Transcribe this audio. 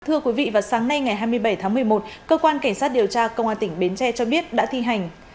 thưa quý vị vào sáng nay ngày hai mươi bảy tháng một mươi một cơ quan cảnh sát điều tra công an tỉnh bến tre cho biết đã thi hành